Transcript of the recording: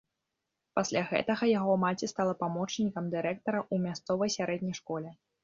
Пасля гэтага яго маці стала памочнікам дырэктара ў мясцовай сярэдняй школе.